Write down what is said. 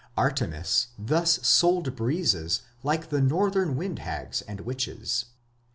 Artemis thus sold breezes like the northern wind hags and witches.